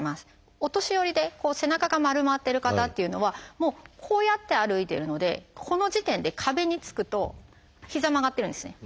お年寄りで背中が丸まってる方っていうのはこうやって歩いてるのでこの時点で壁につくと膝曲がってるんですね。